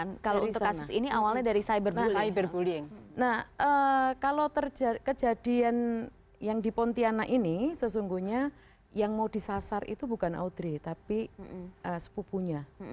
nah kalau terjadi kejadian yang di pontianak ini sesungguhnya yang mau disasar itu bukan audrey tapi sepupunya